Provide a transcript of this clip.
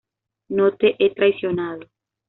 No te he traicionado"".